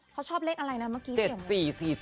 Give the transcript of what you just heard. เขาชอบเลขอะไรนะเมื่อกี้